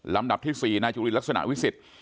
ลำดับที่๔นายจุลินลักษณะวิสิทธิ์